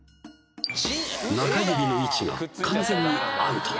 中指の位置が完全にアウト